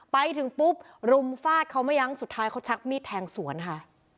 ไปถึงปุ๊บรุมฟาดเขาไม่ยั้งสุดท้ายเขาชักมีดแทงสวนค่ะ